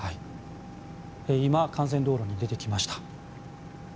今、幹線道路に出てきました。